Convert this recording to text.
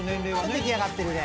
出来上がってるね。